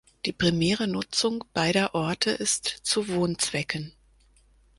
Die primäre Nutzung beider Orte ist zu Wohnzwecken.